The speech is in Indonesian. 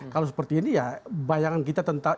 kalau seperti ini ya bayangan kita tentang